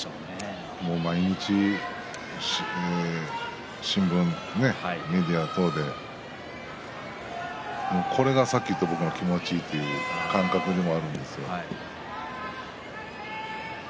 毎日、新聞、メディア等でこれがさっき言った僕の気持ちいいという感覚でもあるんですけれども。